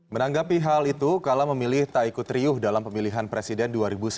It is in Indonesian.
menanggapi hal itu kala memilih tak ikut riuh dalam pemilihan presiden dua ribu sembilan belas